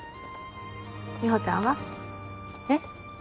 美帆ちゃんは？えっ？